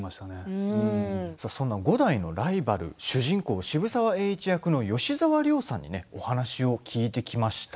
そんな五代のライバル主人公・渋沢栄一役の吉沢亮さんにお話を聞いてきました。